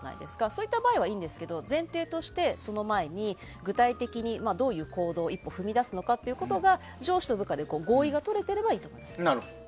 そういった場合はいいんですけど前提としてその前に具体的にどういう行動を一歩踏み出すのかというのが上司と部下で合意が取れていればいい。